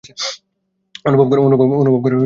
অনুভব করার চেষ্টা করো, জানু।